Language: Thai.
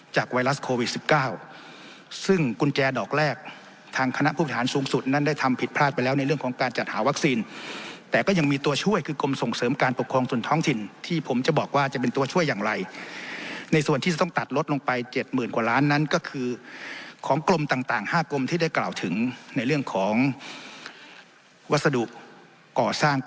ไวรัสโควิด๑๙ซึ่งกุญแจดอกแรกทางคณะผู้ประหารสูงสุดนั้นได้ทำผิดพลาดไปแล้วในเรื่องของการจัดหาวัคซีนแต่ก็ยังมีตัวช่วยคือกรมส่งเสริมการปกครองส่วนท้องถิ่นที่ผมจะบอกว่าจะเป็นตัวช่วยอย่างไรในส่วนที่จะต้องตัดลดลงไปเจ็ดหมื่นกว่าล้านนั้นก็คือของกรมต่าง๕กรมที่ได้กล่าวถึงในเรื่องของวัสดุก่อสร้าง